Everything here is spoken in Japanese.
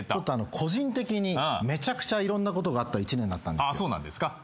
個人的にめちゃくちゃいろんなことがあった１年だったんですよ。